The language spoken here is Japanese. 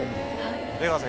出川さん